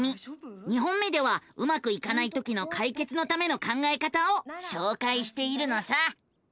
２本目ではうまくいかないときの解決のための考えた方をしょうかいしているのさ。